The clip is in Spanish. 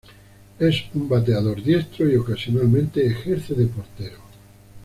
Es un bateador diestro, y ocasionalmente ejerce de portero.